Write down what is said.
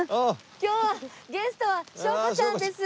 今日はゲストは翔子ちゃんです。